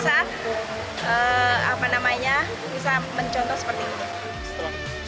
bisa mencontoh seperti ini